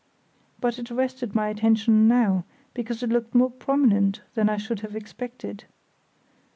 But it arrested my attention now because it looked more prominent than I should have expected.